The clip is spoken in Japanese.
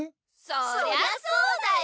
そりゃそうだよ。